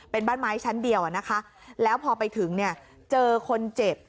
เป็นบ้านไม้ชั้นเดียวแล้วพอไปถึงเจอคนเจ็บ